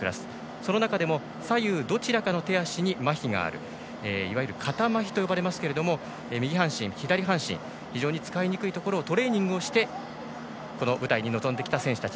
その中でも左右どちらかの手足にまひがあるいわゆる片まひと呼ばれますけれども右半身、左半身非常に使いにくいところをトレーニングをしてこの舞台に臨んできた選手たち。